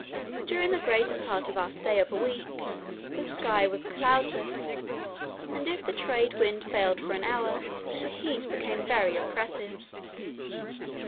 During the greater part of our stay of a week, the sky was cloudless, and if the trade wind failed for an hour, the heat became very oppressive.